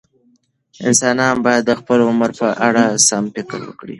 انسانان باید د خپل عمر په اړه سم فکر وکړي.